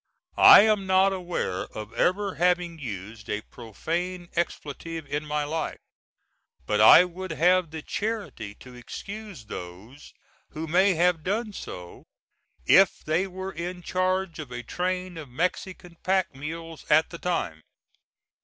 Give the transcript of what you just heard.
I am not aware of ever having used a profane expletive in my life; but I would have the charity to excuse those who may have done so, if they were in charge of a train of Mexican pack mules at the time.